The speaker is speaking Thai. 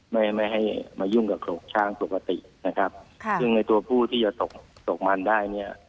ไม่ไม่ให้มายุ่งกับโครงช้างปกตินะครับค่ะซึ่งในตัวผู้ที่จะตกตกมันได้เนี่ย